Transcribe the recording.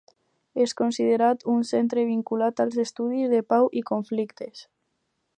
És considerat un centre vinculat als estudis de pau i conflictes.